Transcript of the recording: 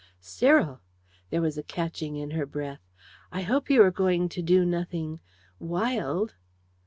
"Cyril!" There was a catching in her breath. "I hope you are going to do nothing wild."